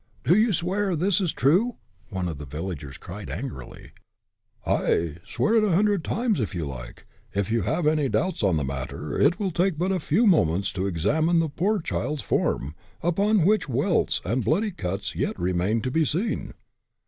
"Do you swear this is true?" one of the villagers cried, angrily. "Ay swear it a hundred times, if you like. If you have any doubts on the matter, it will take but a few moments to examine the poor child's form, upon which welts and bloody cuts yet remain to be seen."